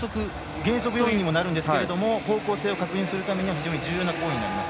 減速要因にもなるんですけど方向性を確認するために非常に重要な行為になります。